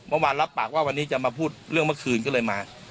รับปากว่าวันนี้จะมาพูดเรื่องเมื่อคืนก็เลยมา